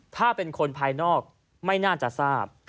ถ้าเป็นคนภายนอกไม่น่าจะทราบ